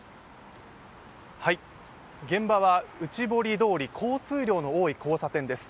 現場は内堀通り交通量の多い交差点です。